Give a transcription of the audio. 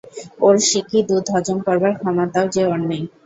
ওর সিকি দুধ হজম করবার ক্ষমতাও যে ওর নেই।